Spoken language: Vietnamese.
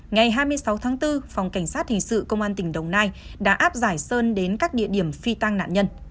ngày hai mươi sáu tháng bốn phòng cảnh sát hình sự công an tỉnh đồng nai đã áp giải sơn đến các địa điểm phi tăng nạn nhân